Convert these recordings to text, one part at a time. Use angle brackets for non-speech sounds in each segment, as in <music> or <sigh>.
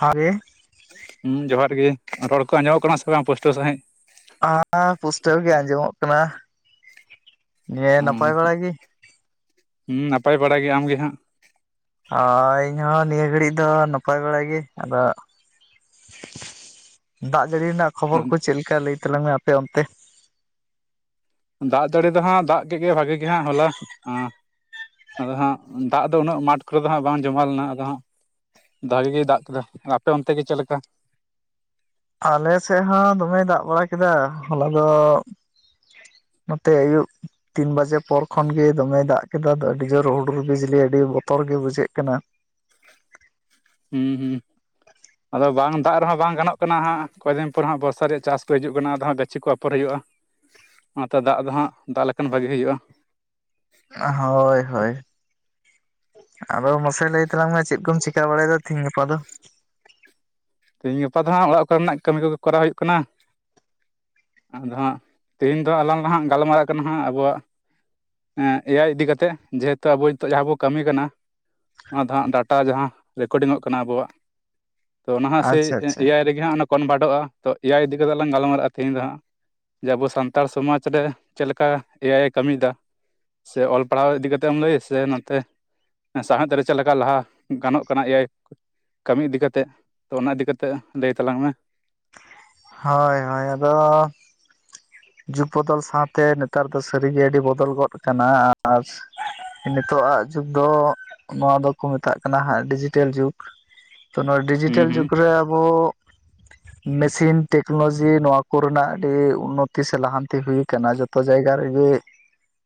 ᱦᱚᱭ ᱦᱮᱸ ᱡᱚᱦᱟᱨ ᱜᱮ ᱨᱚᱲ ᱠᱚ ᱟᱸᱡᱚᱢᱚᱜ ᱠᱟᱱᱟ ᱥᱮ ᱵᱟᱝ ᱯᱩᱥᱴᱟᱹᱣ ᱥᱟᱺᱦᱤᱡ? ᱦ ᱯᱩᱥᱴᱟᱹᱣ ᱜᱮ ᱟᱸᱡᱚᱢᱚᱜ ᱠᱟᱱᱟ, ᱱᱮ ᱱᱟᱯᱟᱭ ᱵᱟᱲᱟ ᱜᱮ? ᱦᱩ ᱱᱟᱯᱟᱭ ᱵᱟᱲᱟ ᱜᱮ, ᱟᱢᱜᱮ ᱦᱟᱸᱜ? ᱦᱚᱭ ᱤᱧ ᱦᱚ ᱱᱤᱭᱟᱹ ᱜᱷᱟᱹᱲᱤᱡ ᱫᱚ ᱱᱟᱯᱟᱭ ᱵᱟᱲᱟ ᱜᱤ ᱟᱫᱚ ᱫᱟᱜ ᱡᱟᱹᱲᱤ ᱨᱮᱱᱟᱜ ᱠᱷᱚᱵᱚᱨ ᱠᱚ ᱪᱮᱫᱞᱮᱠᱟ ᱞᱟᱹᱭ ᱛᱟᱞᱟᱝ ᱢᱮ ᱟᱯᱮ ᱚᱱᱛᱮ? ᱫᱟᱜ ᱡᱟᱹᱲᱤ ᱫᱚ ᱦᱟᱸᱜ ᱫᱟᱜ ᱠᱮᱫ ᱜᱮ ᱵᱷᱟᱜᱤ ᱜᱮ ᱦᱟᱸᱜ ᱦᱚᱞᱟ, ᱟᱫᱚ ᱦᱟᱸᱜ ᱫᱟᱜ ᱫᱚ ᱩᱱᱟᱹᱜ ᱢᱟᱴᱷ ᱠᱚᱨᱮ ᱫᱚ ᱦᱟᱸᱜ ᱵᱟᱝ ᱡᱚᱢᱟ ᱞᱮᱱᱟ ᱟᱫᱚ ᱦᱟᱸᱜ ᱵᱷᱟᱜᱮ ᱜᱮᱭ ᱫᱟᱜ ᱠᱮᱫᱟ ᱟᱯᱮ ᱚᱱᱛᱮ ᱜᱮ ᱪᱮᱫ ᱞᱮᱠᱟ? ᱟᱞᱮ ᱥᱮᱫ ᱦᱚᱸ ᱫᱚᱢᱮ ᱫᱟᱜ ᱵᱟᱲᱟ ᱠᱮᱫᱟ ᱦᱚᱞᱟ ᱫᱚ ᱱᱚᱛᱮ ᱟᱹᱭᱩᱵ ᱛᱤᱱ ᱵᱟᱡᱮ ᱯᱚᱨ ᱠᱷᱚᱱ ᱜᱮ ᱫᱚᱢᱮ ᱫᱟᱜ ᱠᱮᱫᱟ ᱟᱫᱚ ᱟᱹᱰᱤ ᱡᱳᱨ ᱦᱩᱰᱩᱨ ᱵᱤᱡᱽᱞᱤ ᱟᱹᱰᱤ ᱵᱚᱛᱚᱨ ᱜᱮ ᱵᱩᱡᱷᱟᱹᱜ ᱠᱟᱱᱟ ᱾ ᱦᱩᱸ ᱦᱩᱸ ᱟᱫᱚ ᱵᱟᱝ ᱫᱟᱜ ᱨᱮᱦᱚᱸ ᱵᱟᱝ ᱜᱟᱱᱚᱜ ᱠᱟᱱᱟ ᱦᱟᱸᱜ ᱠᱚᱭᱮ ᱫᱤᱱ ᱯᱚᱨ ᱦᱟᱸᱜ ᱵᱚᱨᱥᱟ ᱨᱮᱭᱟᱜ ᱪᱟᱥ ᱠᱚ ᱦᱤᱡᱩᱜ ᱠᱟᱱᱟ ᱟᱫᱚ ᱦᱟᱜ ᱜᱟᱹᱪᱷᱤ ᱠᱚ ᱛᱯᱚᱨ ᱦᱩᱭᱩᱜᱼᱟ ᱚᱱᱟᱛᱮ ᱫᱟᱜ ᱫᱚ ᱦᱟᱸᱜ ᱫᱟᱜ ᱞᱮᱠᱷᱟᱱ ᱵᱷᱟᱜᱮ ᱦᱩᱭᱩᱜᱼᱟ᱾ ᱦᱳᱭ ᱦᱳᱭ ᱟᱫᱚ ᱢᱟᱥᱮ ᱞᱟᱹᱭ ᱛᱟᱞᱟᱝ ᱢᱮ ᱪᱮᱫ ᱠᱚᱢ ᱪᱤᱠᱟ ᱵᱟᱲᱟᱭᱮᱫᱟ? ᱛᱮᱤᱦᱮᱧ ᱜᱟᱯᱟ ᱫᱚ ᱾ ᱛᱤᱦᱤᱧ ᱜᱟᱯᱟ ᱫᱚ ᱦᱟᱸᱟᱜ ᱚᱲᱟᱜ ᱠᱚᱨᱮᱱᱟᱜ ᱠᱟᱹᱢᱤ ᱠᱚᱜᱮ ᱠᱚᱨᱟᱣ ᱦᱩᱭᱩᱜ ᱠᱟᱱᱟ᱾ ᱟᱫᱚ ᱦᱟᱸᱜ ᱛᱮᱦᱮᱧ ᱫᱚ ᱟᱞᱟᱝ ᱦᱟᱸᱜ ᱜᱟᱞᱢᱟᱨᱟᱜ ᱠᱟᱱᱟ ᱦᱟᱸᱜ ᱟᱵᱚᱣᱟᱜ ᱮᱭᱟᱭ ᱤᱫᱤ ᱠᱟᱛᱮᱜ ᱡᱮᱦᱮᱛᱩ ᱟᱵᱚ ᱱᱤᱛᱚᱜ ᱡᱟᱦᱟᱸ ᱵᱚ ᱠᱟᱹᱢᱤ ᱠᱟᱱᱟᱹ ᱚᱱᱟ ᱫᱚ ᱦᱟᱸᱜ ᱰᱟᱴᱟ ᱡᱟᱦᱟᱸ ᱨᱮᱠᱚᱰᱤᱝ ᱚᱜ ᱠᱟᱱᱟ ᱟᱵᱚᱣᱟᱜ ᱛᱚ ᱚᱱᱟᱦᱟᱸ ᱥᱮᱭ ᱟᱪᱪᱷᱟ ᱟᱪᱪᱷᱟ ᱮᱭᱟᱭ ᱨᱮᱜᱮ ᱤ ᱦᱟᱸᱜ ᱚᱱᱟ ᱠᱚᱱ ᱵᱷᱟᱴᱚᱜᱼᱟ, ᱛᱚ ᱮᱭᱟᱭ ᱤᱫᱤ ᱠᱟᱛᱮ ᱞᱟᱝ ᱜᱟᱞᱢᱟᱨᱟᱜ ᱛᱦᱤᱧ ᱫᱚ ᱦᱟᱸᱜ᱾ ᱡᱮ ᱟᱵᱚ ᱥᱟᱱᱛᱟᱲ ᱥᱚᱢᱟᱡᱽ ᱨᱮ ᱪᱮᱫ ᱞᱮᱠᱟ ᱮᱭᱟᱭ ᱮ ᱠᱟᱹᱢᱤᱭᱮᱫᱟ᱾ ᱥᱮ ᱚᱞ ᱯᱟᱲᱦᱟᱣ ᱤᱫᱤ ᱠᱟᱛᱮᱢ ᱞᱟᱹᱭᱭᱟ ᱥᱮ ᱱᱚᱛ ᱥᱟᱶᱦᱮᱫ ᱨᱮ ᱪᱮᱫ ᱞᱮᱠᱟ ᱞᱟᱦᱟ ᱜᱟᱱᱚᱜ ᱠᱟᱱᱟ ᱮᱭᱟᱭ ᱠᱟᱹᱢᱤ ᱤᱫᱤ ᱠᱟᱛᱮᱜ᱾ ᱛᱚ ᱚᱱᱟ ᱤᱫᱤ ᱠᱟᱛᱮᱫ ᱞᱟᱹᱭ ᱛᱟᱞᱟᱝ ᱢᱮ ᱾ ᱦᱳᱭ ᱦᱳᱭ ᱟᱫᱚ ᱡᱩᱜᱽ ᱵᱚᱫᱚᱞ ᱥᱟᱶᱛᱮ ᱱᱮᱛᱟᱨ ᱫᱚ ᱥᱟᱹᱨᱤᱜᱮ ᱟᱹᱰᱤ ᱵᱚᱫᱚᱞ ᱜᱚᱫ ᱟᱠᱟᱱᱟ ᱟᱨ ᱱᱤᱛᱳᱜ ᱟᱜ ᱡᱩᱜᱽ ᱫᱚ ᱱᱚᱣᱟ ᱫᱚᱠᱚ ᱢᱮᱛᱟᱜ ᱠᱟᱱᱟ ᱦᱟᱸᱜ ᱰᱤᱡᱤᱴᱮᱞ ᱡᱩᱜᱽ ᱛᱚ ᱱᱚᱣᱟ ᱰᱤᱡᱤᱴᱮᱞ ᱦᱩᱸ ᱡᱩᱜᱨᱮ ᱟᱵᱚ ᱢᱮᱥᱤᱱ ᱴᱮᱠᱱᱳᱞᱳᱡᱤ ᱱᱚᱣᱟ ᱠᱚᱱᱟᱜ ᱟ ᱩᱱᱱᱚᱛᱚ ᱛᱤ ᱥᱮ ᱞᱟᱦᱟᱱᱛᱤ ᱦᱩᱭ ᱟᱠᱟᱱᱟ ᱡᱚᱛᱚ ᱡᱟᱭᱜᱟ ᱨᱮᱜᱮ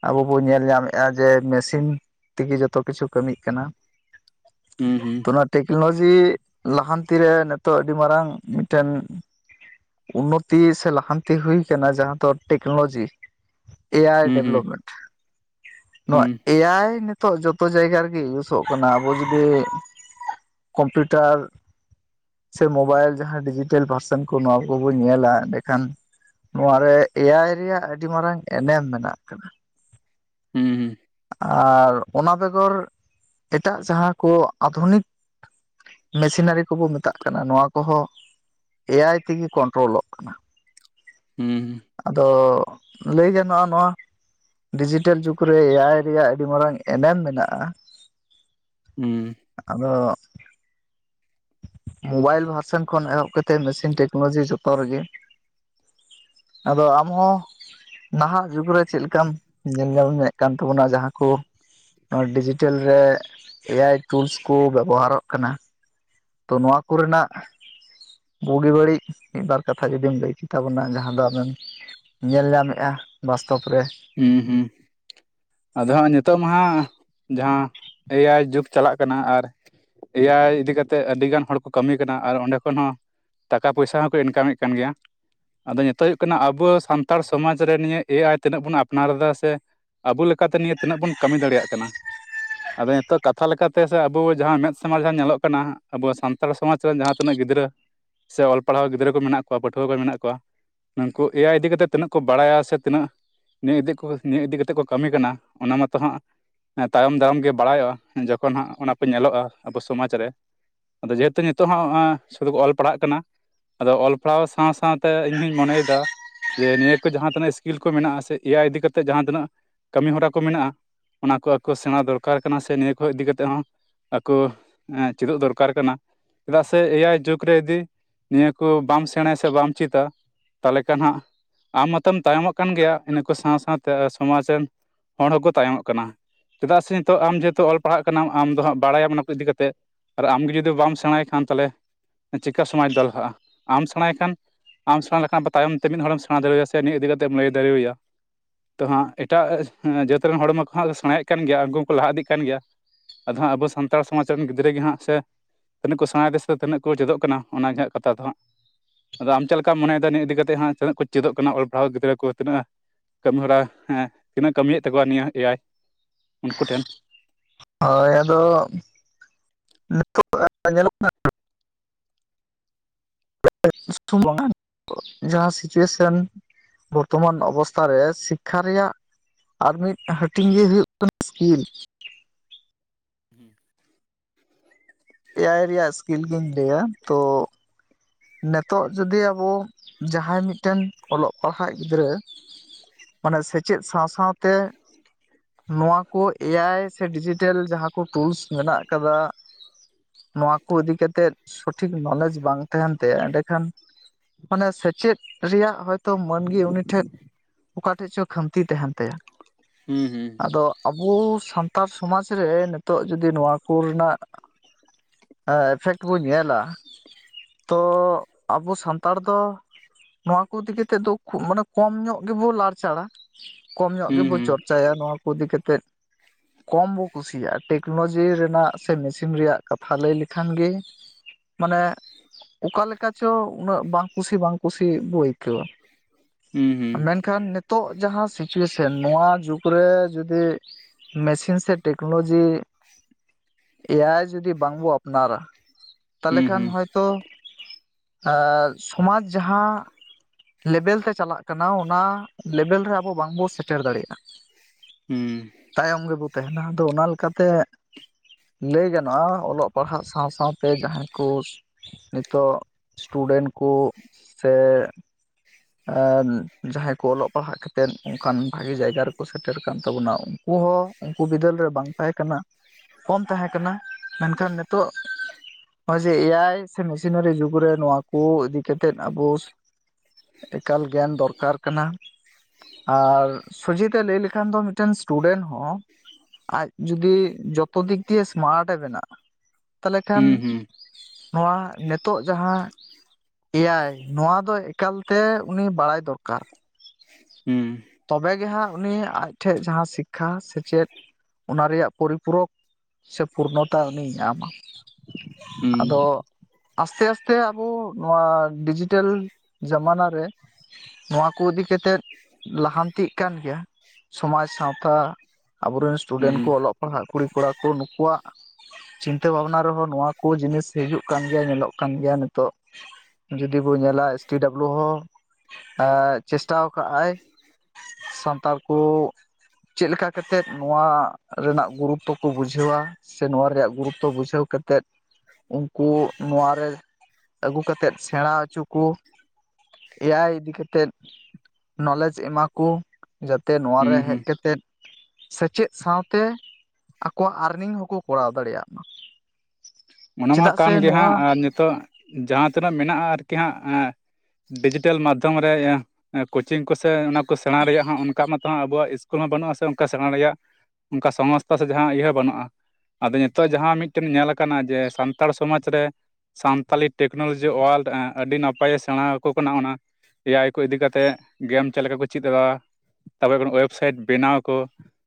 ᱟᱵᱚ ᱵᱚᱱ ᱧᱮᱞ ᱧᱟᱢᱮᱫᱼᱟ ᱡᱮ ᱢᱮᱥᱤᱱ ᱛᱮᱜᱮ ᱡᱚᱛᱚ ᱠᱤᱪᱷᱩ ᱠᱟᱹᱢᱤᱜ ᱠᱟᱱᱟ ᱾ <unintelligible> ᱦᱩᱸ ᱦᱩᱸ ᱚᱱᱟ ᱴᱮᱠᱱᱳᱞᱚᱡᱤ ᱞᱟᱦᱟᱱᱛᱤ ᱨᱮ ᱱᱤᱛᱚᱜ ᱟᱹᱰᱤ ᱢᱟᱨᱟᱝ ᱢᱤᱫᱴᱮᱱ ᱩᱱᱱᱚᱛᱤ ᱥᱮ ᱞᱟᱦᱟᱱᱛᱤ ᱦᱩᱭ ᱟᱠᱟᱱᱟ ᱡᱟᱦᱟᱸ ᱫᱚ ᱴᱮᱠᱱᱳᱞᱚᱡᱤ ᱮᱭᱟᱭ ᱦᱩᱸ ᱰᱮᱵᱷᱞᱚᱯᱢᱮᱱᱴ᱾ ᱱᱚᱣᱟ ᱦᱩᱸ ᱮᱭᱟᱭ ᱱ ᱱᱤᱛᱚ ᱡᱚᱛᱚ ᱡᱟᱭᱜᱟ ᱨᱮᱜᱮ ᱤᱭᱩᱥᱚᱜ ᱠᱟᱱᱟ ᱟᱵᱚ ᱡᱩᱫᱤ ᱠᱚᱢᱯᱤᱭᱩᱴᱟᱨ ᱥᱮ ᱢᱳᱵᱟᱭᱤᱞ ᱡᱟᱦᱟᱸ ᱰᱤᱡᱤᱴᱮᱞ ᱯᱟᱨᱥᱮᱱ ᱠᱚ ᱱᱚᱣᱟ ᱠᱚᱵᱚᱱ ᱧᱮᱞᱟ ᱮᱸᱰᱮᱠᱷᱟᱱ ᱱᱚᱣᱟᱟᱨᱮ ᱮᱭᱟᱭ ᱨᱮᱭᱟᱜ ᱟᱹᱰᱤ ᱢᱟᱨᱟᱝ ᱮᱱᱮᱢ ᱢᱮᱱᱟᱜ ᱟᱠᱟᱫᱟ ᱾ ᱦᱩᱸ ᱦᱩᱸ ᱟᱨ ᱚᱱᱟ ᱵᱮᱜᱚᱨ ᱮᱴᱟᱜ ᱡᱟᱦᱟᱸ ᱠᱚ ᱟᱫᱷᱩᱱᱤᱠ ᱢᱮᱥᱤᱱᱟᱨᱤ ᱠᱚᱵᱚ ᱢᱮᱛᱟᱜ ᱠᱟᱱᱟ ᱱᱚᱣᱟ ᱠᱚᱦᱚᱸ ᱮᱭᱟᱭ ᱛᱮᱜᱮ ᱠᱚᱱᱴᱨᱳᱞᱚᱜ ᱠᱟᱱᱟ ᱾ ᱦᱩᱸ ᱟᱫᱚ ᱞᱟᱹᱭ ᱜᱟᱱᱚᱜᱼᱟ ᱱᱚᱣᱟ ᱰᱤᱡᱤᱴᱮᱞ ᱡᱩᱜᱽ ᱨᱮ ᱮᱭ ᱟᱭ ᱨᱮᱭᱟᱜ ᱟᱹᱰᱤ ᱢᱟᱨᱟᱝ ᱮᱱᱮᱢ ᱢᱮᱱᱟᱜᱼᱟ᱾ ᱦᱩᱸ ᱟᱫᱚ ᱢᱳᱵᱟᱭᱤᱞ ᱵᱷᱟᱨᱥᱮᱱ ᱠᱷᱚᱱ ᱮᱦᱚᱵ ᱠᱟ ᱠᱟᱛᱮᱮᱫ ᱢᱮᱥᱤᱱ ᱴᱮᱠᱱᱳᱞᱚᱡᱤ ᱡᱚᱛᱚ ᱨᱮᱜᱮ ᱟᱫᱚ ᱟᱢ ᱦᱚᱸᱚᱸ ᱱᱟᱦᱟᱜ ᱡᱩᱜᱽ ᱨᱮ ᱪᱮᱫᱮ ᱞᱮᱠᱟᱢ ᱧᱮᱞ ᱧᱟᱢ ᱧᱮᱫ ᱠᱟᱱ ᱛᱟᱵᱚᱱᱟ ᱡᱟᱦᱟᱸᱠᱩ ᱱᱚᱣᱟ ᱰᱤᱡᱤᱴᱮᱞ ᱨᱮ ᱮ ᱟᱭᱟᱭ ᱴᱩᱞᱥ ᱠᱚ ᱵᱮᱵᱚᱦᱟᱨᱚᱜ ᱠᱟᱱᱟ ᱛᱚ ᱱᱚᱣᱟ ᱠᱚ ᱨᱮᱱᱟᱜ ᱵᱩᱜᱤ ᱵᱟᱹᱲᱤᱡ ᱢᱤᱫᱵᱟᱨ ᱠᱟᱛᱷᱟ ᱡᱩᱫᱤᱢ ᱞᱟᱹᱭ ᱪᱤᱠ ᱛᱟᱵᱚᱱᱟ ᱡᱟᱦᱟᱸ ᱫᱚ ᱟᱢᱮᱢ ᱧᱮᱞ ᱧᱟᱢᱮᱜᱼᱟ ᱵᱟᱥᱛᱚᱵ ᱨᱮ ᱦᱮᱸ ᱦᱩᱸ ᱟᱫᱚ ᱦᱚᱸᱜᱚᱭ ᱱᱤᱛᱚᱜ ᱢᱟ ᱦᱟᱸᱜ ᱡᱟᱦᱟᱸ ᱮ ᱟᱭᱟᱭ ᱡᱩᱜᱽ ᱪᱟᱞᱟᱜ ᱠᱟᱱᱟ ᱟᱨ ᱮᱭᱟᱭ ᱤᱫᱤ ᱠᱟᱛᱮᱮᱫ ᱟᱹᱰᱤ ᱜᱟᱱ ᱦᱚᱲ ᱠᱚ ᱠᱟᱹᱢᱤ ᱠᱟᱱᱟ ᱟᱨ ᱚᱸᱰᱮ ᱠᱷᱚᱱ ᱦᱚᱸ ᱴᱟᱠᱟ ᱯᱚᱭᱥᱟ ᱦᱚᱸᱠᱚ ᱤᱱᱠᱟᱢᱮᱫ ᱠᱟᱱ ᱜᱮᱭᱟ ᱟᱫᱚ ᱱᱤᱛᱚᱜ ᱦᱩᱭᱩᱜ ᱠᱟᱱᱟ ᱟᱵᱚ ᱥᱟᱱᱛᱟᱲ ᱥᱚᱢᱟᱡ ᱨᱮ ᱱᱤᱭᱟᱹ ᱮᱭᱟᱭ ᱛᱤᱱᱟᱹᱜ ᱵᱚᱱ ᱟ ᱟᱯᱱᱟᱨ ᱮ ᱥᱮ ᱟᱵᱚ ᱞᱮᱠᱟᱛᱮ ᱱᱤᱭᱟᱹ ᱛᱤᱱᱟᱹᱜ ᱵᱚᱱ ᱠᱟᱹᱢᱤ ᱫᱟᱲᱮᱭᱟᱜ ᱠᱟᱱᱟ ᱟᱫᱚ ᱱᱤᱛᱚᱜ ᱠᱟᱛᱷᱟ ᱞᱮᱠᱟᱛᱮ ᱟᱵᱚ ᱡᱟᱦᱟᱸ ᱢᱮᱫ ᱥᱟᱢᱟᱝ ᱡᱟᱦᱟᱸ ᱧᱮᱞᱚᱜ ᱠᱟᱱᱟ ᱟᱵᱚ ᱥ ᱥᱟᱱᱛᱟᱲ ᱥᱚᱢᱟᱡᱽ ᱨᱮᱱ ᱡᱟᱦᱟᱸ ᱛᱱᱟᱹᱜ ᱜᱤᱫᱽᱨᱟᱹ ᱥᱮ ᱚᱞ ᱯᱟᱲᱦᱟᱣ ᱜᱤᱫᱽᱨᱟᱹ ᱠᱚ ᱢᱮᱱᱟᱜ ᱠᱚᱣᱟ ᱯᱟᱹᱴᱷᱩᱣᱟᱹ ᱠᱚ ᱢᱮᱱᱟᱜ ᱠᱚᱣᱟ ᱱᱩᱝᱠᱩ ᱮᱭᱟᱭ ᱤᱫᱤ ᱠᱟᱛᱮ ᱛᱤᱱᱟᱹᱜ ᱠᱚ ᱵᱟᱲᱟᱭᱟ ᱥᱮ ᱛᱤᱱᱟᱹᱜ ᱱᱤᱭᱟᱹ ᱤᱫᱤ ᱠᱚ ᱱᱤᱭᱟᱹ ᱤᱫᱤ ᱠᱟᱛᱮᱫ ᱠᱚ ᱠᱟᱹᱢᱤ ᱠᱟᱱᱟ ᱚᱱᱟ ᱢᱟᱛᱚ ᱦᱟᱸᱜ ᱛᱟᱭᱚᱢ ᱫᱟᱨᱟᱢ ᱜᱮ ᱵᱟᱲᱟᱭᱚᱜᱼᱟ ᱡᱚᱠᱷᱚᱱ ᱦᱟᱸᱜ ᱚᱱᱟ ᱠᱚ ᱧᱮᱞᱚᱜᱼᱟ ᱟᱵᱚ ᱥᱚᱢᱟᱡᱽ ᱨᱮ ᱟᱫᱚ ᱡᱮᱦᱮᱛᱩ ᱱᱤᱛᱚᱜ ᱦᱚᱸ ᱥᱩᱫᱩ ᱠᱚ ᱚᱞ ᱯᱟᱲᱦᱟᱜ ᱠᱟᱱᱟ ᱟᱫᱚ ᱚᱞ ᱯᱟᱲᱦᱟᱣ ᱥᱟᱶ ᱥᱟᱶᱶᱛᱮ ᱤᱧ ᱦᱚᱧ ᱢᱚᱱᱮᱭᱮᱫᱟ ᱡᱮ ᱱᱤᱭᱟᱹ ᱠᱚ ᱡᱟᱦᱟᱸ ᱛᱤᱱᱟᱹᱜ ᱤᱥᱠᱤᱞ ᱠᱚ ᱢᱮᱱᱟᱜᱼᱟᱥ ᱮᱤᱭᱟ ᱤᱫᱤ ᱠᱟ ᱠᱟᱛᱮᱮᱫ ᱡᱟᱦᱟᱸ ᱛᱤᱱᱟᱹᱜ ᱠᱟᱹᱢᱤ ᱦᱚᱨᱟ ᱠᱚ ᱢᱮᱱᱟᱜᱼᱟ ᱚᱱᱟ ᱠᱚ ᱟᱠᱚ ᱥᱮᱬᱟ ᱫᱚᱨᱠᱟᱨ ᱠᱟᱱᱟ ᱥᱮ ᱱᱤᱭᱟᱹ ᱠᱷᱚᱱ ᱤᱫᱤ ᱠᱟ ᱠᱟᱛᱮᱮᱫ ᱦᱚᱸ ᱟᱠᱚ ᱪᱮᱫᱚᱜ ᱫᱚᱨᱠᱟᱨ ᱠᱟᱱᱟ ᱪᱮᱫᱟᱜ ᱥᱮ ᱮᱭᱟᱭ ᱡᱩᱜᱽ ᱨᱮ ᱡᱩᱫᱤ ᱱᱤᱭᱟᱹ ᱠᱚ ᱵᱟᱢ ᱥᱮᱬᱟ ᱥᱮ ᱵᱟᱢ ᱪᱮᱫᱟ ᱛᱟᱦᱚᱞᱮ ᱠᱷᱟᱱ ᱦᱦᱜ ᱟᱢ ᱢᱟᱛᱚᱢ ᱛᱟᱭᱚᱢᱚᱜ ᱠᱟᱱ ᱜᱮᱭᱟ ᱤᱱᱟᱹ ᱠᱚ ᱥᱟᱶ ᱥᱟᱶᱛᱮ ᱥᱚᱢᱟᱡᱽ ᱨᱮᱱ ᱦᱚᱲ ᱦᱚᱸᱠᱚ ᱛᱟᱭᱚᱢᱚᱜ ᱠᱟᱱᱟ ᱪᱮᱫᱟᱜ ᱥᱮ ᱱᱤᱛᱚᱜ ᱟᱢ ᱡᱮᱦᱮᱛᱩ ᱚᱞ ᱯᱟᱲᱦᱟᱜ ᱠᱟᱱᱟᱢ ᱟᱢ ᱫᱚ ᱦᱟᱸᱜ ᱵᱟᱲᱟᱭᱟᱢ ᱚᱱᱟ ᱠᱚ ᱤᱫᱤ ᱠᱟᱛᱮᱫ ᱟᱨ ᱟᱢᱜᱮ ᱡᱩᱫᱤ ᱵᱟᱢ ᱥᱮᱬᱟᱭ ᱠᱷᱟᱱ ᱛᱟᱦᱚᱞᱮ ᱪᱤᱠᱟᱹ ᱥᱚᱢᱟᱡᱽ ᱫᱚ ᱞᱟᱦᱟᱜᱼᱟ ᱟᱢ ᱥᱮᱬᱟᱭ ᱠᱷᱟᱱ ᱟᱢ ᱥᱮᱬᱟ ᱞᱮᱠᱷᱟᱱ ᱛᱟᱭᱚᱢ ᱛᱮ ᱢᱤᱫ ᱦᱚᱲᱮᱢ ᱥᱮᱬᱟ ᱫᱟᱲᱮᱟᱭᱟ ᱥᱮ ᱱᱤᱭᱟ ᱤᱫᱤ ᱠᱟᱛᱮᱢ ᱞᱟᱹᱭ ᱫᱟᱲᱮᱟᱭᱟ ᱛᱚ ᱦᱟᱸᱜ ᱮᱴᱟᱜ ᱡᱟᱹᱛ ᱨᱮᱱ ᱦᱚᱲᱢᱚ ᱠᱚ ᱦᱟᱸᱜ ᱥᱮᱬᱟᱭᱮᱫ ᱠᱟᱱ ᱜᱮᱭᱟ ᱩᱱᱠᱩ ᱦᱚᱸᱠᱚ ᱞᱟᱦᱟ ᱤᱫᱤᱜ ᱠᱟᱱ ᱜᱮᱭᱟ ᱟᱫᱚ ᱦᱟᱸᱜ ᱟᱵᱚ ᱥᱟᱱᱛᱟᱲ ᱥᱚᱢᱟᱡᱽ ᱨᱮᱱ ᱜᱤᱫᱽᱨᱟᱹ ᱜᱮ ᱦᱟᱸᱜ ᱥᱮ ᱛᱤᱱᱟᱹᱜ ᱠᱚ ᱥᱮᱸᱬᱟᱭ ᱫᱟᱥᱮ ᱛᱤᱱᱟᱹᱜ ᱠᱚ ᱪᱮᱫᱚᱜ ᱠᱟᱱᱟ ᱚᱱᱟ ᱜᱮ ᱠᱟᱛᱷᱟ ᱫᱚ ᱦᱟᱸᱜ ᱟᱫᱚ ᱟᱢᱪᱮᱫ ᱞᱮᱠᱟᱢ ᱢᱚᱱᱮᱫᱟ ᱱᱤᱭᱟᱹ ᱤᱫᱤ ᱠᱟᱛᱮᱫ ᱦᱟᱸᱜ ᱛᱤᱱᱟᱹᱜ ᱠᱚ ᱪᱮᱫᱚᱜ ᱚᱞ ᱯᱟᱲᱦᱟᱣ ᱜᱤᱫᱽᱨᱟᱹ ᱠᱚ ᱛᱤᱱᱟᱹᱜ ᱠᱟᱹᱢᱤ ᱦᱚᱨᱟ ᱦᱮᱸ ᱛᱤᱱᱟᱹᱜ ᱠᱟᱹᱢᱤᱭᱮᱫ ᱛᱟᱠᱚᱣᱟ ᱱᱤᱭᱟᱹ ᱮᱭᱟᱭ ᱩᱱᱠᱩ ᱴᱷᱮᱱ ᱦᱳᱭ ᱟᱫᱚ ᱱᱤᱛᱚᱜ ᱧᱮᱞᱚᱜ ᱠᱟᱱᱟ <inaudible> ᱡᱟᱦᱟᱸ ᱥᱤᱪᱩᱭᱮᱥᱮᱱ ᱵᱚᱨᱛᱚᱢᱟᱱ ᱚᱵᱚᱥᱛᱷᱟ ᱨᱮ ᱥᱤᱠᱠᱷᱟ ᱨᱮᱭᱟᱜ ᱟᱨ ᱢᱤᱫ ᱦᱟᱹᱴᱤᱧ ᱜᱮ ᱦᱩᱭᱩᱜ ᱠᱟᱱᱟ ᱥᱠᱤᱞ ᱦᱮᱸ ᱮᱭ ᱟᱭ ᱨᱮᱭᱟᱜ ᱥᱠᱤᱞ ᱜᱤᱧ ᱞᱟᱹᱭᱟ ᱛᱚ ᱱᱤᱛᱚᱜ ᱡᱩᱫᱤ ᱟᱵᱚ ᱡᱟᱦᱟᱸᱭ ᱢᱤᱫᱴᱮᱱ ᱚᱞᱚᱜ ᱯᱟᱲᱦᱟᱜ ᱜᱤᱫᱽᱨᱟᱹ ᱢᱟᱱᱮ ᱥᱮᱪᱮᱫ ᱥᱟᱶ ᱥᱟᱶᱛᱮ ᱱᱚᱣᱟ ᱠᱚ ᱮ ᱟᱭ ᱥᱮ ᱰᱤᱡᱤᱴᱮᱞ ᱡᱟᱦᱟᱸ ᱠᱚ ᱴᱩᱞᱥ ᱢᱮᱱᱟᱜ ᱟᱠᱟᱫᱟ ᱱᱚᱣᱟ ᱠᱚ ᱤᱫᱤ ᱠᱟᱛᱮᱫ ᱥᱚᱴᱷᱤᱠ ᱱᱚᱞᱮᱡᱽ ᱵᱟᱝ ᱛᱟᱦᱮᱱ ᱛᱟᱭᱟ ᱮᱸᱰᱮᱠᱷᱟᱱ ᱢᱟᱱᱮ ᱥᱮᱪᱮᱫ ᱨᱮᱭᱟᱜ ᱦᱚᱭᱛᱚ ᱢᱟᱹᱱ ᱜᱮ ᱩᱱᱤ ᱴᱷᱮᱱ ᱚᱠᱟ ᱴᱷᱮᱡ ᱪᱚ ᱠᱷᱟᱢᱛᱤ ᱛᱟᱦᱮᱱ ᱛᱟᱭᱟ ᱦᱩᱸ ᱦᱩᱸ ᱟᱫᱚ ᱟᱵᱚ ᱥᱟᱱᱛᱟᱲ ᱥᱚᱢᱟᱡᱽ ᱨᱮ ᱱᱤᱛᱚᱜ ᱡᱩᱫᱤ ᱱᱚᱣᱟ ᱠᱚ ᱨᱮᱱᱟᱜ ᱮ ᱮᱯᱷᱮᱠᱴ ᱵᱚ ᱧᱮᱞᱟ ᱛᱚ ᱟᱵᱚ ᱥᱟᱱᱛᱟᱲ ᱫᱚ ᱱᱚᱣᱟ ᱠᱚ ᱤᱫᱤ ᱠᱟᱛᱮᱫ ᱫᱚ ᱠᱷᱩᱵ ᱢᱟᱱᱮ ᱠᱚᱢ ᱧᱚᱜ ᱜᱮᱵᱚ ᱞᱟᱲᱪᱟᱨᱟ ᱠᱚᱢ ᱧᱚᱜ ᱦᱩᱸ ᱜᱮᱵᱚ ᱪᱚᱨᱪᱟᱭᱟ ᱱᱚᱣᱟ ᱠᱚ ᱤᱫᱤ ᱠᱟᱛᱮᱫ ᱠᱚᱢ ᱵᱚ ᱠᱩᱥᱤᱭᱟᱜᱼᱟ ᱴᱮᱠᱱᱳᱞᱚᱡᱤ ᱨᱮᱱᱟᱜ ᱥᱮ ᱢᱮᱥᱤᱱ ᱨᱮᱭᱟᱜ ᱠᱟᱛᱷᱟ ᱞᱟᱹᱭ ᱞᱮᱠᱷᱟᱱ ᱜᱮ ᱢᱟᱱᱮ ᱚᱠᱟ ᱞᱮᱠᱟ ᱪᱚ ᱩᱱᱟᱹᱜ ᱵᱟᱝ ᱠᱩᱥᱤ ᱵᱟᱝ ᱠᱩᱥᱤ ᱵᱚ ᱟᱹᱭᱠᱟᱹᱣᱟ ᱦᱩᱸ ᱦᱩᱸ ᱢᱮᱱᱠᱷᱟᱱ ᱱᱤᱛᱚᱜ ᱡᱟᱦᱟᱸ ᱥᱤᱪᱩᱭᱮᱥᱚᱱ ᱱᱚᱣᱟ ᱡᱩᱜᱽᱨᱮ ᱡᱩᱫᱤ ᱢᱮᱥᱤᱱ ᱥᱮ ᱴᱮᱠᱱᱳᱞᱳᱡᱤ ᱮᱭᱟᱭ ᱡᱩᱫᱤ ᱵᱟᱝᱵᱚ ᱟᱯᱱᱟᱨᱟ ᱛᱟᱦᱚᱞᱮ ᱦᱩᱸ ᱠᱷᱟᱱ ᱦᱩᱸ ᱦᱚᱭᱛᱚ ᱥᱚᱢᱟᱡᱽ ᱡᱟᱦᱟᱸ ᱞᱮᱵᱮᱞ ᱛᱮ ᱪᱟᱞᱟᱜ ᱠᱟᱱᱟ ᱚᱱᱟ ᱞᱮᱵᱮᱞ ᱨᱮ ᱟᱵᱚ ᱵᱟᱝᱵᱚ ᱥᱮᱴᱮᱨ ᱫᱟᱲᱮᱭᱟᱜᱼᱟ ᱦᱩᱸ ᱛᱟᱭᱚᱢ ᱜᱮᱵᱚ ᱛᱟᱦᱮᱱᱟ ᱟᱫᱚ ᱚᱱᱟ ᱞᱮᱠᱟᱛᱮ ᱞᱟᱹᱭ ᱜᱟᱱᱚᱜᱼᱟ ᱚᱞᱚᱜ ᱯᱟᱲᱦᱟᱜ ᱥᱟᱶ ᱥᱟᱶᱛᱮ ᱡᱟᱦᱟᱸᱭ ᱠᱚ ᱛᱚ ᱥᱴᱩᱰᱮᱱᱴ ᱠᱚ ᱥᱮ ᱡᱟᱦᱟᱸᱭ ᱠᱚ ᱚᱞᱚᱜ ᱯᱟᱲᱦᱟᱜ ᱠᱟᱛᱮᱫ ᱚᱱᱠᱟᱱ ᱵᱷᱟᱜᱤ ᱡᱟᱭᱜᱟ ᱨᱮᱠᱚ ᱥᱮᱴᱮᱨ ᱟᱱᱟᱱ ᱛᱟᱵᱚᱱᱟ ᱩᱱᱠᱩ ᱦᱚᱸ ᱩᱱᱠᱩ ᱵᱤᱫᱟᱹᱞ ᱨᱮ ᱵᱟᱝ ᱛᱟᱦᱮᱸ ᱠᱟᱱᱟ ᱠᱚᱢ ᱛᱟᱸᱦᱮ ᱠᱟᱱᱟ ᱢᱮᱱᱠᱷᱟᱱ ᱱᱤᱛᱚᱜ ᱱᱚᱜᱼᱚᱭ ᱡᱮ ᱮᱭᱟᱭ ᱥᱮ ᱢᱮᱥᱤᱱᱟᱨᱤ ᱡᱩᱜᱽ ᱨᱮ ᱱᱚᱣᱟ ᱠᱚ ᱤᱫᱤ ᱠᱟᱛᱮᱫ ᱟᱵᱚ ᱮᱠᱟᱞ ᱜᱮᱭᱟᱱ ᱫᱚᱨᱠᱟᱨ ᱠᱟᱱᱟ ᱟᱨ ᱥᱚᱡᱷᱮᱛᱮ ᱮ ᱞᱟᱹᱭ ᱞᱮᱠᱷᱟᱱ ᱫᱚ ᱢᱤᱫᱴᱮᱱ ᱥᱴᱩᱰᱮᱱᱴ ᱦᱚᱸ ᱟᱡ ᱡᱩᱫᱤ ᱡᱚᱛᱚ ᱫᱤᱠ ᱫᱤᱭᱮ ᱥᱢᱟᱨᱴ ᱮ ᱵᱮᱱᱟᱜᱼᱟ ᱛᱟᱦᱚᱞᱮ ᱠᱷᱟᱱ ᱦᱩᱸ ᱦᱩᱸ ᱦᱩᱸ ᱱᱚᱣᱟ ᱱᱤᱛᱳᱜ ᱡᱟᱦᱟᱸ ᱮᱭᱟᱭ ᱱᱚᱣᱟ ᱫᱚ ᱮᱠᱟᱞ ᱛᱮ ᱩᱱᱤ ᱵᱟᱲᱟᱭ ᱫᱚᱨᱠᱟᱨ ᱦᱩᱸ ᱛᱚᱵᱮᱜᱮ ᱦᱟᱸᱜ ᱩᱱᱤ ᱟᱡᱴᱷᱮᱡ ᱡᱟᱦᱟᱸ ᱥᱤᱠᱠᱷᱟ ᱥᱮᱪᱮᱫ ᱚᱱᱟ ᱨᱮᱭᱟᱜ ᱯᱚᱨᱤ ᱯᱩᱨᱳᱠ ᱥᱮ ᱯᱩᱨᱱᱚᱛᱟ ᱩᱱᱤᱭ ᱧᱟᱢᱟ ᱟᱫᱚ ᱦᱮᱸ ᱟᱥᱛᱮ ᱟᱥᱛᱮ ᱟᱵᱚ ᱱᱚᱣᱟ ᱰᱤᱡᱤᱴᱮᱞ ᱡᱟᱢᱟᱱᱟ ᱨᱮ ᱱᱚᱣᱟ ᱠᱚ ᱤᱫᱤ ᱠᱟᱛᱮᱫ ᱞᱟᱦᱟᱱᱛᱤᱜ ᱠᱟᱱ ᱜᱮᱭᱟ ᱥᱚᱢᱟᱡᱽ ᱥᱟᱶᱛᱟ ᱟᱵᱚᱨᱮᱱ ᱦᱩᱸ ᱥᱴᱩᱰᱮᱱᱴ ᱠᱚ ᱚᱞᱚᱜ ᱯᱟᱲᱦᱟᱜ ᱠᱩᱲᱤ ᱠᱚᱲᱟ ᱠᱚ ᱱᱩᱠᱩᱣᱟᱜ ᱪᱤᱱᱛᱟᱹ ᱵᱷᱟᱵᱱᱟ ᱨᱮᱦᱚᱸ ᱱᱚᱣᱟ ᱠᱚ ᱡᱤᱱᱤᱥ ᱦᱤᱡᱩᱜ ᱠᱟᱱ ᱜᱮᱭᱟ ᱧᱮᱞᱚᱜ ᱠᱟᱱ ᱜᱮᱭᱟ ᱱᱤᱛᱚᱜ ᱡᱩᱫᱤ ᱵᱚ ᱧᱮᱞᱟ ᱮᱥ ᱴᱤ ᱰᱟᱵᱞᱩ ᱦᱚᱸ ᱪᱮᱥᱴᱟ ᱟᱠᱟᱫ ᱟᱭ ᱥᱟᱱᱛᱟᱲ ᱠᱚ ᱪᱮᱫ ᱞᱮᱠᱟ ᱠᱟᱛᱮᱫ ᱱᱚᱣᱟ ᱨᱮᱱᱟᱜ ᱜᱩᱨᱩᱯᱛᱚ ᱠᱚ ᱵᱩᱡᱷᱟᱹᱣᱟ ᱥᱮ ᱱᱚᱣᱟ ᱨᱮᱭᱟᱜ ᱜᱩᱨᱩᱯᱛᱚ ᱵᱩᱡᱷᱟᱹᱣ ᱠᱟᱛᱮᱫ ᱩᱱᱠᱩ ᱱᱚᱣᱟ ᱨᱮ ᱟᱹᱜᱩ ᱠᱟᱛᱮᱫ ᱥᱮᱬᱟ ᱚᱪᱩᱠᱩ ᱮᱭᱟᱭ ᱤᱫᱤ ᱠᱟᱛᱮᱫ ᱱᱚᱞᱮᱡᱽ ᱮᱢᱟ ᱠᱩ ᱡᱟᱛᱮ ᱱᱚᱣᱟ ᱨᱮ ᱦᱩᱸ ᱦᱩᱸ ᱦᱮᱡ ᱠᱟᱛᱮᱫ ᱥᱮᱪᱮᱫ ᱥᱟᱶᱛᱮ ᱟᱠᱚᱣᱟᱜ ᱟᱨᱱᱤᱝ ᱦᱚᱸᱠᱚ ᱠᱚᱨᱟᱣ ᱫᱟᱲᱮᱭᱟᱜ ᱢᱟ ᱚᱱᱟ ᱢᱟ ᱪᱮᱫᱟᱜ ᱠᱟᱱ ᱥᱮ ᱜᱮ ᱱᱚᱣᱟ ᱦᱟᱸᱜ ᱟᱨ ᱱᱤᱛᱚᱜ ᱡᱟᱦᱟᱸ ᱛᱤᱱᱟᱹᱜ ᱢᱮᱱᱟᱜᱼᱟ ᱟᱨᱠᱤ ᱦᱟᱸᱜ ᱰᱤᱡᱤᱴᱮᱞ ᱢᱟᱫᱽᱫᱷᱚᱢ ᱨᱮ ᱠᱳᱪᱤᱝ ᱠᱚᱥᱮ ᱚᱱᱟ ᱠᱚ ᱥᱮᱬᱟ ᱨᱮᱭᱟᱜ ᱦᱚᱸ ᱚᱱᱠᱟ ᱢᱟᱛᱚ ᱟᱵᱚᱣᱟᱜ ᱤᱥᱠᱩᱞ ᱦᱚᱸ ᱵᱟᱹᱱᱩᱜ ᱟᱥᱮ ᱚᱱᱠᱟ ᱥᱮᱬᱟ ᱨᱮᱭᱟᱜ ᱚᱱᱠᱟ ᱥᱚᱝᱥᱛᱷᱟ ᱥᱮ ᱡᱟᱦᱟᱸ ᱤᱭᱟᱹ ᱵᱟᱹᱱᱩᱜᱼᱟ ᱟᱫᱚ ᱱᱤᱛᱚᱜ ᱡᱟᱦᱟᱸ ᱢᱤᱫᱴᱮᱱ ᱧᱮᱞ ᱟᱠᱟᱱᱟ ᱡᱮ ᱥᱟᱱᱛᱟᱲ ᱥᱚᱢᱟᱡᱽ ᱨᱮ ᱥᱟᱱᱛᱟᱞᱤ ᱴᱮᱠᱱᱳᱞᱳᱡᱤ ᱚᱣᱟᱞᱰ ᱟᱹᱰᱤ ᱱᱟᱯᱟᱭᱮ ᱥᱮᱬᱟ ᱟᱠᱚ ᱠᱟᱱᱟ ᱚᱱᱟ ᱮᱭᱟᱭ ᱠᱚ ᱤᱫᱤ ᱠᱟᱛᱮᱫ ᱜᱮᱢ ᱪᱮᱫ ᱞᱮᱠᱟ ᱠᱚ ᱪᱮᱫ ᱮᱫᱟ ᱛᱟᱨᱯᱚᱨᱮ ᱳᱭᱮᱵᱽᱥᱟᱭᱤᱴ ᱵᱮᱱᱟᱣ ᱟᱠᱚ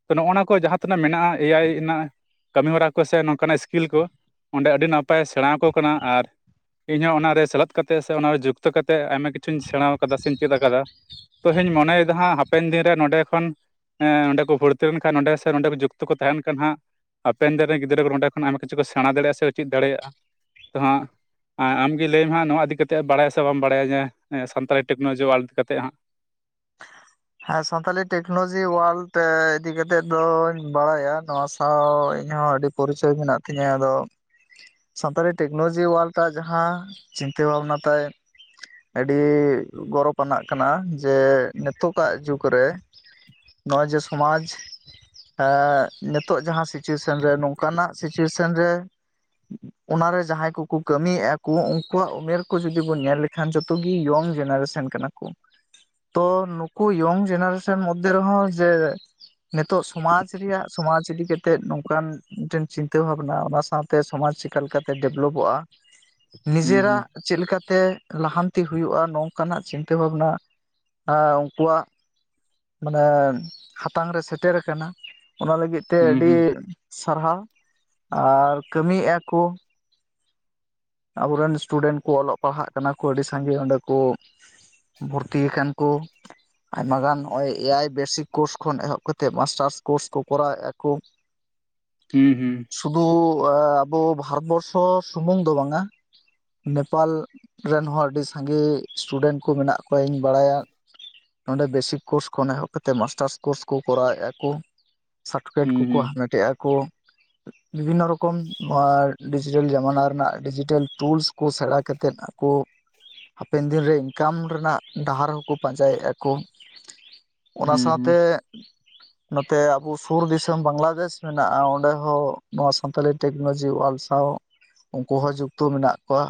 ᱛᱚ ᱱᱚᱜᱼ ᱱᱚᱣᱟ ᱠᱚ ᱡᱟᱦᱟᱸ ᱛᱤᱱᱟᱹᱜ ᱢᱮᱱᱟᱜᱼᱟ ᱮᱟᱭ ᱨᱮᱱᱟᱜ ᱠᱟᱹᱢᱤ ᱦᱚᱨᱟ ᱠᱚ ᱥᱮ ᱱᱚᱝᱠᱟᱱᱟᱜ ᱮᱥᱠᱤᱞ ᱠᱚ ᱚᱸᱰᱮ ᱟᱹᱰᱤ ᱱᱟᱯᱟᱭ ᱥᱮᱬᱟ ᱟᱠᱚ ᱠᱟᱱᱟ ᱟᱨ ᱤᱧ ᱦᱚᱸ ᱚᱱᱟᱨᱮ ᱥᱮᱞᱮᱫ ᱠᱟᱛᱮᱫ ᱥᱮ ᱚᱱᱟᱨᱮ ᱡᱩᱠᱛᱚ ᱠᱟᱛᱮᱫ ᱟᱭᱢᱟ ᱠᱤᱪᱷᱩᱧ ᱥᱮᱬᱟ ᱠᱟᱫᱟ ᱥᱮᱧ ᱪᱮᱫ ᱠᱟᱫᱟ <unintelligible> ᱢᱚᱱᱮᱭᱮᱫᱟ ᱦᱟᱸᱜ ᱦᱟᱯᱮᱱ ᱫᱤᱱ ᱨᱮ ᱱᱚᱰᱮ ᱠᱷᱚᱱ <unintelligible> ᱱᱚᱸᱰᱮ ᱵᱷᱚᱨᱛᱤ ᱞᱮᱱᱠᱷᱟᱱ ᱱᱚᱸᱰᱮ ᱥᱮ ᱱᱚᱸᱰᱮ ᱡᱩᱠᱛᱚ ᱠᱚ ᱛᱟᱦᱮᱱ ᱠᱷᱟᱱ ᱦᱟᱸᱜ ᱦᱟᱯᱮᱱ ᱫᱤᱱ ᱨᱮᱱ ᱜᱤᱫᱽᱨᱟᱹ ᱠᱚ ᱱᱚᱸᱰᱮ ᱠᱷᱚᱱ ᱟᱭᱢᱟ ᱠᱤᱪᱷᱩ ᱠᱚ ᱥᱮᱬᱟ ᱫᱟᱲᱮᱭᱟᱜᱼᱟ ᱥᱮ ᱪᱮᱫ ᱫᱟᱲᱮᱭᱟᱜᱼᱟ ᱛᱚ ᱦᱟᱸᱜ ᱟᱢᱜᱮ ᱞᱟᱹᱭ ᱢᱮ ᱦᱟᱜ ᱱᱚᱣᱟ ᱤᱫᱤ ᱠᱟᱛᱮᱫ ᱵᱟᱲᱟᱭᱟ ᱥᱮ ᱵᱟᱢ ᱵᱟᱲᱟᱭᱟ ᱧᱟ ᱥᱟᱱᱛᱟᱲᱤ ᱴᱮᱠᱱᱳᱞᱚᱡᱤ ᱚᱣᱟᱞᱰ ᱤᱫᱤ ᱠᱟᱛᱮᱫ ᱦᱟᱸᱜ᱾ ᱦᱮᱸ ᱥᱟᱱᱛᱟᱞᱤ ᱴᱮᱠᱱᱳᱞᱚᱡᱤ ᱳᱣᱟᱨᱞᱰ ᱤᱫᱤ ᱠᱟᱛᱮᱫ ᱫᱚᱧ ᱵᱟᱲᱟᱭᱟ ᱱᱚᱣᱟ ᱥᱟᱶ ᱤᱧ ᱦᱚᱸ ᱟᱹᱰᱤ ᱯᱚᱨᱤᱪᱚᱭ ᱢᱮᱱᱟᱜ ᱛᱤᱧᱟᱹ ᱟᱫᱚ ᱥᱟᱱᱛᱟᱲᱤ ᱴᱮᱠᱱᱳᱞᱚᱡᱤ ᱚᱣᱟᱞᱰᱟᱜ ᱡᱟᱦᱟᱸ ᱪᱤᱱᱛᱟᱹ ᱵᱷᱟᱵᱽᱱᱟ ᱛᱟᱭ ᱟᱹᱰᱤ ᱜᱚᱨᱚᱵᱽ ᱟᱱᱟᱜ ᱠᱟᱱᱟ ᱡᱮ ᱱᱤᱛᱚᱜᱟᱜ ᱡᱩᱜᱽ ᱨᱮ ᱱᱚᱜᱚᱭ ᱡᱮ ᱥᱚᱢᱟᱡᱽ᱾ <unintelligible> ᱱᱤᱛᱚᱜᱜ ᱡᱟᱦᱟᱸ ᱥᱤᱪᱩᱭᱮᱥᱚᱱ ᱨᱮ ᱱᱚᱝᱠᱟᱱᱟᱜ ᱥᱤᱪᱩᱭᱮᱥᱚᱱ ᱨᱮ ᱚᱱᱟᱨᱮ ᱡᱟᱦᱟᱸᱭ ᱠᱚᱠᱚ ᱠᱟᱹᱢᱤᱭᱮᱫᱼᱟ ᱠᱚ ᱩᱱᱠᱩᱣᱟᱜ ᱩᱢᱮᱨ ᱠᱚ ᱡᱩᱫᱤ ᱵᱚᱱ ᱧᱮᱞ ᱞᱮᱠᱷᱟᱱ ᱡᱚᱛᱚ ᱜᱤ ᱤᱭᱚᱝ ᱡᱮᱱᱟᱨᱮᱥᱮᱱ ᱠᱟᱱᱟ ᱛᱚ ᱱᱩᱠᱩ ᱤᱭᱚᱝ ᱡᱮᱱᱟᱨᱮᱥᱚᱱ ᱢᱚᱫᱽᱫᱷᱮ ᱨᱮᱦᱚᱸ ᱡᱮ ᱱᱤᱛᱚᱜ ᱥᱚᱢᱟᱡᱽ ᱨᱮᱭᱟᱜ ᱥᱚᱢᱟᱡᱽ ᱤᱫᱤ ᱠᱟᱛᱮᱜ ᱱᱚᱝᱠᱟᱱ ᱢᱤᱫᱴᱮᱱ ᱪᱤᱱᱛᱟᱹ ᱵᱷᱟᱵᱱᱟ ᱚᱱᱟ ᱥᱟᱶᱛᱮ᱾ ᱛᱮ ᱥᱚᱢᱟᱡᱽ ᱪᱮᱠᱟ ᱞᱮᱠᱟᱛᱮ ᱰᱮᱵᱷᱞᱚᱯᱚᱜᱼᱟ ᱦᱩᱸ ᱦᱩᱸ ᱱᱤᱡᱮᱨᱟᱜ ᱪᱮᱫ ᱞᱮᱠᱟᱛᱮ ᱞᱟᱦᱟᱱᱛᱤ ᱦᱩᱭᱩᱜᱼᱟ ᱱᱚᱝᱠᱟᱱᱟᱜ ᱪᱤᱱᱛᱟᱹ ᱵᱷᱟᱵᱱᱟ᱾ ᱟᱠᱚᱣᱟᱜ ᱢᱟᱱᱮ ᱦᱟᱛᱟᱝ ᱨᱮ ᱥᱮᱴᱮᱨ ᱟᱠᱟᱱᱟ ᱚᱱᱟ ᱞᱟᱹᱜᱤᱫᱽ ᱛᱮ ᱦᱩᱸ ᱟᱹᱰᱤ ᱦᱩᱸ ᱥᱟᱨᱦᱟᱣ ᱟᱨ ᱠᱟᱹᱢᱤᱭᱮᱫᱼᱟ ᱠᱚ ᱟᱵᱚᱨᱮᱱ ᱥᱴᱩᱰᱮᱱᱴ ᱠᱚ ᱚᱞᱚᱜ ᱯᱟᱲᱦᱟᱜ ᱠᱟᱱᱟ ᱠᱚ ᱟᱹᱰᱤ ᱥᱟᱸᱜᱮ ᱚᱸᱰᱮ ᱠᱚ ᱵᱷᱚᱨᱛᱤ ᱟᱠᱟᱱ ᱠᱩ ᱟᱭᱢᱟ ᱜᱟᱱ <unintelligible> ᱮᱭᱟᱭ ᱵᱮᱥᱠ ᱠᱳᱨᱥ ᱠᱷᱚᱱ ᱮᱦᱚᱵ ᱠᱟᱛᱮᱜ ᱢᱟᱥᱴᱟᱨᱥ ᱠᱳᱨᱥ ᱠᱚ ᱠᱚᱨᱟᱣ ᱮᱫᱼᱟ ᱠᱚ <inaudible> ᱦᱩᱸ ᱦᱩᱸ ᱥᱩᱫᱩ ᱟᱵᱚ ᱵᱷᱟᱨᱚᱛ ᱵᱚᱨᱥᱚ ᱥᱩᱢᱩᱝ ᱫᱚ ᱵᱟᱝᱟ ᱱᱮᱯᱟᱞ ᱨᱮᱱ ᱦᱚᱸ ᱟᱹᱰᱤ ᱥᱟᱸᱜᱮ ᱴᱩᱰᱮᱱᱴ ᱠᱚ ᱢᱮᱱᱟᱜ ᱠᱚᱣᱟ ᱤᱧ ᱵᱟᱲᱟᱭᱟ ᱱᱚᱸᱰᱮ ᱵᱮᱥᱤᱠ ᱠᱳᱨᱥ ᱠᱷᱚᱱ ᱮᱦᱚᱵ ᱠᱟᱛᱮᱫ ᱢᱟᱥᱴᱟᱨᱥ ᱠᱳᱨᱥ ᱠᱚ ᱠᱚᱨᱟᱣᱮᱫᱼᱟ ᱠᱚ ᱥᱟᱨᱴᱚᱯᱷᱤᱠᱮᱴ ᱠᱩᱠᱩ ᱦᱟᱢᱮᱴᱮᱜᱼᱟ ᱠᱩ ᱵᱤᱵᱷᱤᱱᱚ ᱨᱚᱠᱚᱢ ᱱᱚᱣᱟ ᱰᱤᱡᱤᱴᱮᱞ ᱡᱟᱢᱟᱱᱟ ᱨᱮᱱᱟᱜ <unintelligible> ᱴᱩᱞᱥ ᱠᱚ ᱥᱮᱬᱟ ᱠᱟᱛᱮᱫ ᱟᱠᱚ ᱦᱟᱯᱮᱱ ᱫᱤᱱᱨᱮ ᱤᱱᱠᱟᱢ ᱨᱮᱱᱟᱜ ᱰᱟᱦᱟᱨ ᱦᱚᱸᱠᱚ ᱯᱟᱸᱡᱟᱭᱮᱫᱼᱟ ᱠᱩ ᱚᱱᱟ ᱥᱟᱶᱛᱮ ᱱᱚᱛᱮ ᱟᱵᱚ ᱥᱩᱨ ᱫᱤᱥᱚᱢ ᱵᱟᱝᱞᱟᱫᱮᱥ ᱢᱮᱱᱟᱜᱼᱟ ᱚᱸᱰᱮ ᱦᱚᱸ ᱱᱚᱣᱟ ᱥᱟᱱᱛᱟᱞᱤ ᱴᱮᱠᱱᱳᱞᱚᱡᱤ ᱳᱣᱟᱞᱰ ᱥᱟᱶ ᱩᱱᱠᱩ ᱦᱚᱸ ᱡᱩᱠᱛᱚ ᱢᱮᱱᱟᱜ ᱠᱚᱣᱟ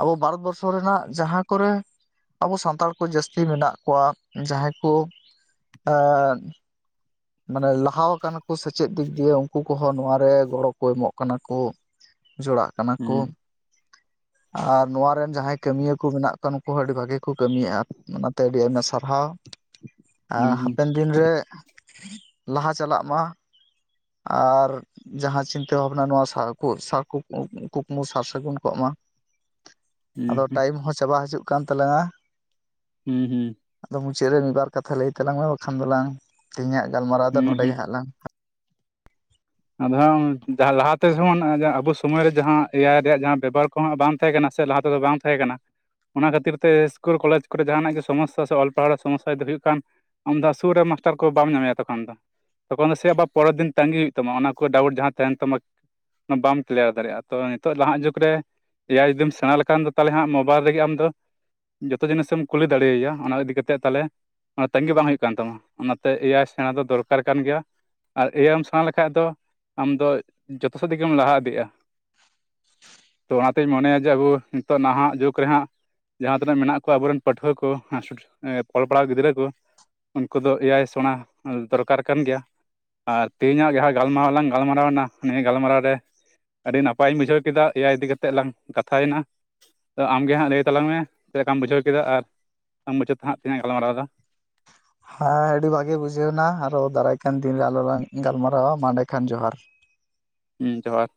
ᱟᱵᱚ ᱵᱷᱟᱨᱚᱛ ᱵᱚᱨᱥᱚ ᱨᱮᱱᱟᱜ ᱡᱟᱦᱟᱸ ᱠᱚᱨᱮ ᱟᱵᱚ ᱥᱟᱱᱛᱟᱲ ᱠᱚ ᱡᱟᱹᱥᱛᱤ ᱢᱮᱱᱟᱜ ᱠᱚᱣᱟ ᱡᱟᱦᱟᱸᱭ ᱠᱚ ᱢᱟᱱᱮ ᱞᱟᱦᱟ ᱟᱠᱟᱱᱟ ᱠᱚ ᱥᱮᱪᱮᱫ ᱫᱤᱠ ᱫᱤᱭᱮ ᱩᱱᱠᱩ ᱠᱚ ᱦᱚᱸ ᱱᱚᱣᱟ ᱨᱮ ᱜᱚᱲᱚ ᱠᱚ ᱮᱢᱚᱜ ᱠᱟᱱᱟ ᱠᱚ ᱡᱚᱲᱟᱜ ᱠᱟᱱᱟ ᱠᱚ ᱟᱨ ᱱᱚᱶᱟ ᱨᱮᱱ ᱡᱟᱦᱟᱸᱭ ᱠᱟᱹᱢᱭᱟᱹᱠᱩ ᱢᱮᱱᱟᱜ ᱠᱚᱣᱟ ᱩᱱᱠᱩᱦᱚᱸ ᱟᱹᱰᱤ ᱵᱷᱟᱹᱜᱤ ᱠᱚ ᱠᱟᱹᱢᱤ ᱭᱮᱫᱼᱟ ᱚᱱᱟᱛᱮ ᱟᱹᱰᱤ ᱟᱭᱢᱟ ᱥᱟᱨᱦᱟᱣ ᱟᱨ ᱦᱟᱯᱮᱱ ᱫᱤᱱ ᱨᱮ᱾ ᱞᱟᱦᱟ ᱪᱟᱞᱟᱜ ᱢᱟ ᱟᱨ ᱡᱟᱦᱟᱸ ᱪᱤᱱᱛᱟ ᱵᱷᱟᱵᱱᱟ ᱱᱚᱶᱟ ᱥᱟᱨ ᱠᱩ ᱠᱩᱠᱢᱩ ᱥᱟᱨ ᱥᱟᱹᱜᱩᱱ ᱠᱚᱜ ᱢᱟ ᱟᱫᱚ ᱴᱟᱭᱤᱢ ᱦᱚᱸ ᱪᱟᱵᱟ ᱦᱤᱡᱩᱜ ᱠᱟᱱ ᱛᱟᱞᱟᱝᱟ ᱦᱩᱸ ᱦᱩᱸ ᱟᱫᱚ ᱢᱩᱪᱟᱹᱫ ᱨᱮ ᱢᱤᱫ ᱵᱟᱨ ᱠᱟᱛᱷᱟ ᱞᱟᱹᱭ ᱛᱟᱞᱟᱝ ᱢᱮ ᱵᱟᱠᱷᱟᱱ ᱫᱚ ᱞᱟᱝ ᱛᱮᱦᱤᱧᱟᱜ ᱜᱟᱞᱢᱟᱨᱟᱣ ᱫᱚ ᱱᱚᱰᱮ ᱜᱮ ᱦᱟᱸᱜ ᱞᱝ ᱟᱫᱚ ᱞᱟᱦᱟ ᱛᱮ ᱡᱮᱢᱚᱱ ᱟᱵᱚ ᱥᱚᱢᱚᱭ ᱨᱮ ᱡᱟᱦᱟᱸ ᱮᱭᱟᱭ ᱨᱮᱭᱟᱜ ᱡᱟᱦᱟᱸ ᱵᱮᱵᱟᱨ ᱠᱚ ᱦᱟᱸᱜ ᱵᱟᱝ ᱛᱟᱦᱮᱸ ᱠᱟᱱᱟ ᱥᱮ ᱞᱟᱦᱟ ᱛᱮ ᱫᱚ ᱵᱟᱝ ᱛᱟᱦᱮᱸ ᱠᱟᱱᱟ ᱚᱱᱟ ᱠᱷᱟᱹᱛᱤᱨ ᱛᱮ ᱤᱥᱠᱩᱞ ᱠᱚᱞᱮᱡᱽ ᱠᱚᱨᱮ ᱡᱟᱦᱟᱱᱟᱜ ᱜᱮ ᱥᱚᱢᱚᱥᱥᱟ ᱥᱮ ᱚᱞ ᱯᱟᱲᱦᱟᱜ ᱥᱚᱢᱚᱥᱟ ᱡᱩᱫᱤ ᱦᱩᱭᱩᱜ ᱠᱟᱱ᱾ ᱟᱢᱫᱚ ᱥᱠᱩᱨ ᱨᱮ ᱢᱟᱥᱴᱟᱨ ᱠᱚ ᱵᱟᱢ ᱧᱟᱢᱮᱭᱟ ᱛᱚᱠᱷᱚᱱ ᱫᱚ ᱛᱚᱠᱷᱚᱱ ᱫᱚ ᱥᱮ ᱟᱵᱟᱨ ᱯᱚᱨᱮᱨ ᱫᱤᱱ ᱛᱟᱸᱜᱤ ᱦᱩᱭᱩᱜ ᱛᱟᱢᱟ ᱛᱟᱢᱟ ᱚᱱᱟ ᱠᱚ ᱰᱟᱣᱩᱴ ᱡᱟᱦᱟᱸ ᱛᱟᱦᱮᱱ ᱛᱟᱢᱟ ᱚᱱᱟ ᱵᱟᱢ ᱠᱞᱤᱭᱟᱨ ᱫᱟᱲᱮᱭᱟᱜᱼᱟ᱾ ᱛᱚ ᱱᱤᱛᱚᱜ ᱱᱟᱦᱟᱜ ᱡᱩᱜᱽ ᱨᱮ ᱮᱭᱟᱭ ᱡᱩᱫᱤᱢ ᱥᱮᱬᱟ ᱞᱮᱠᱷᱟᱱ ᱫᱚ ᱛᱟᱦᱚᱞᱮ ᱦᱟᱸᱜ ᱢᱳᱵᱟᱭᱤᱞ ᱨᱮᱜᱮ ᱟᱢ ᱫᱚ ᱡᱚᱛᱚ ᱡᱤᱱᱤᱥ ᱮᱢ ᱠᱩᱞᱤ ᱫᱟᱲᱮ ᱭᱟᱭᱟ ᱚᱱᱟ ᱤᱫᱤ ᱠᱟᱛᱮ ᱛᱟᱦᱚᱞᱮ ᱚᱱᱟ ᱛᱟᱜᱤ ᱵᱟᱝ ᱦᱩᱭᱩᱜ ᱠᱟᱱ ᱛᱟᱢᱟ ᱚᱱᱟ ᱛᱮ ᱮᱭᱟᱭ ᱥᱮᱬᱟ ᱫᱚ ᱫᱚᱨᱠᱟᱨ ᱠᱟᱱ ᱜᱮᱭᱟ ᱟᱨ ᱮᱭᱟᱭ ᱮᱢ ᱥᱮᱬᱟ ᱞᱮᱠᱷᱟᱱ ᱵᱟᱠᱷᱟᱡ ᱫᱚ ᱟᱢ ᱫᱚ ᱡᱚᱛ ᱥᱮᱫ ᱛᱮᱜᱮᱢ ᱞᱟᱦᱟ ᱤᱫᱤᱜᱼᱟ ᱚᱱᱟ ᱛᱤᱧ ᱢᱚᱱᱮᱭᱟ ᱡᱮ ᱟᱵᱚ ᱱᱤᱛᱚᱜ ᱱᱟᱦᱟᱜ ᱡᱩᱜᱽ ᱨᱮᱦᱟᱸᱜ ᱡᱟᱦᱟᱸ ᱛᱤᱱᱟᱹᱜ ᱢᱮᱱᱟᱜ ᱠᱚᱣᱟ ᱟᱵᱚᱨᱮᱱ ᱯᱟᱹᱴᱷᱩᱣᱟᱹ ᱠᱚ ᱚᱞᱚᱜ ᱯᱟᱲᱦᱟᱣ ᱜᱤᱫᱽᱨᱟᱹ ᱠᱚ᱾ ᱩᱱᱠᱩ ᱫᱚ ᱮᱭᱟᱭ ᱥᱮᱬᱟ ᱫᱚᱨᱠᱟᱨ ᱠᱟᱱ ᱜᱮᱭᱟ ᱟᱨ ᱛᱮᱦᱮᱧᱟᱜ ᱡᱟᱦᱟᱸ ᱜᱟᱞᱢᱟᱨᱟᱣ ᱞᱟᱝ ᱜᱟᱞᱢᱟᱨᱟᱣ ᱮᱱᱟ ᱱᱤᱭᱟᱹ ᱜᱟᱞᱢᱟᱨᱟᱣ ᱨᱮ, ᱟᱹᱰᱤ ᱱᱟᱯᱟᱭ ᱤᱧ ᱵᱩᱡᱷᱟᱹᱣ ᱠᱮᱫᱟ ᱮᱭᱟᱭ ᱤᱫᱤ ᱠᱟᱛᱜ ᱞᱟᱝ ᱠᱟᱛᱷᱟᱭ ᱱᱟ᱾ ᱛᱚ ᱟᱢ ᱜᱮ ᱦᱟᱸᱜ ᱞᱟᱹᱭ ᱛᱟᱞᱟᱝ ᱢᱮ ᱪᱮᱫ ᱞᱮᱠᱟᱢ ᱵᱩᱡᱷᱟᱹᱣ ᱠᱮᱫᱟ ᱟᱨ ᱵᱟᱢ ᱵᱡᱟᱹᱣ ᱛᱮ ᱦᱟᱸᱜ ᱛᱤᱱᱟᱹᱜ ᱜᱟᱞᱢᱟᱨᱟᱣ ᱮᱫᱟ᱾ ᱦᱮᱸ ᱟᱹᱰᱤ ᱵᱷᱟᱜᱮ ᱵᱩᱡᱷᱟᱹᱣ ᱱᱟ ᱟᱨᱦᱚᱸ ᱫᱟᱨᱟᱭ ᱠᱟᱱ ᱫᱤᱱ ᱨᱮᱟᱨᱦᱚᱸ ᱞᱟᱝ ᱜᱟᱞᱢᱟᱨᱟᱣᱟ ᱟ ᱮᱰᱮᱠᱷᱟᱱ ᱡᱚᱦᱟᱨ᱾ ᱦᱩᱸ ᱡᱚᱦᱟᱨ